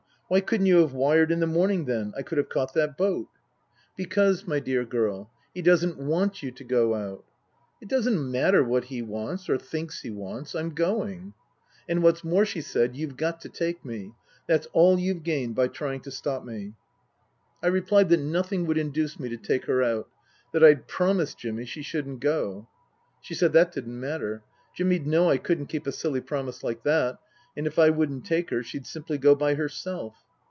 " Why couldn't you have wired in the morning, then ? I could have caught that boat." 272 Book III : His Book 273 " Because, my dear girl, he doesn't want you to go out." " It doesn't matter what he wants or thinks he wants I'm going. " And what's more," she said, " you've got to take me. That's all you've gained by trying to stop me." I replied that nothing would induce me to take her out, that I'd promised Jimmy she shouldn't go. She said that didn't matter. Jimmy'd know I couldn't keep a silly promise like that, and if I wouldn't take her she'd simply go by herself.